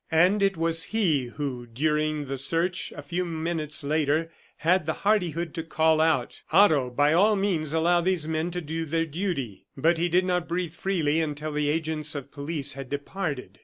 And it was he who, during the search a few minutes later, had the hardihood to call out: "Otto, by all means allow these men to do their duty." But he did not breathe freely until the agents of police had departed.